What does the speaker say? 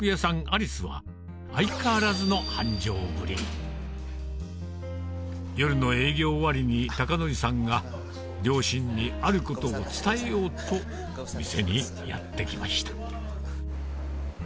「ありす」は相変わらずの繁盛ぶり夜の営業終わりに孝法さんが両親にあることを伝えようと店にやって来ました